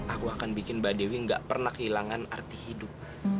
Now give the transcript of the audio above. aku akan bikin mbak dewi gak pernah kehilangan arti hidup